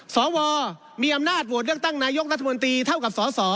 สวมีอำนาจโหวตเลือกตั้งนายกรัฐมนตรีเท่ากับสส